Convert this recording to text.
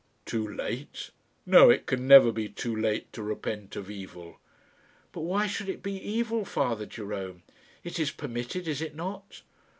"Too late! No; it can never be too late to repent of evil." "But why should it be evil, Father Jerome? It is permitted; is it not?"